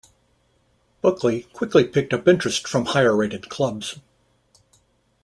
Buckley quickly picked up interest from higher-rated clubs.